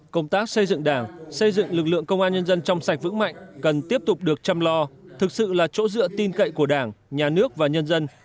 công tác xây dựng đảng xây dựng lực lượng công an nhân dân trong sạch vững mạnh cần tiếp tục được chăm lo thực sự là chỗ dựa tin cậy của đảng nhà nước và nhân dân